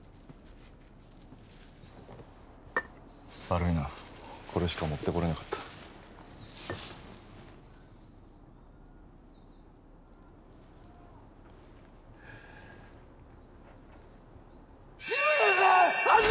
悪いなこれしか持ってこれなかった志村さん！